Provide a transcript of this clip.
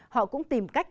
họ cũng tìm cách